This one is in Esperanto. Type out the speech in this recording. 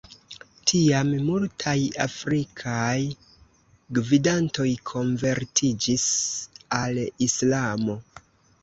Tiam multaj afrikaj gvidantoj konvertiĝis al islamo.